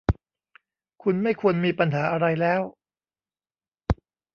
คุณไม่ควรมีปัญหาอะไรแล้ว